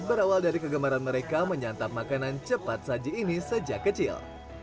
berawal dari kegemaran mereka menyantap makanan cepat saji ini sejak kecil